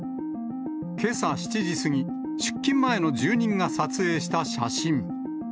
けさ７時過ぎ、出勤前の住人が撮影した写真。